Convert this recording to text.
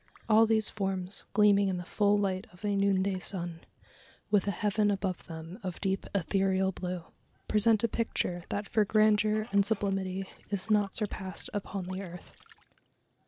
All these forms gleaming in the full light of a noonday sun, with a heaven above them of deep ethereal blue, present a picture that for grandeur and sublimity is not surpassed upon the earth.